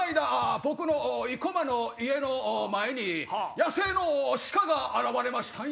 僕の生駒の家の前に野生の鹿が現れましたんや。